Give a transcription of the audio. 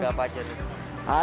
ada apa aja